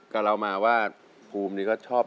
กับเรามาว่าภูมินี้ก็ชอบ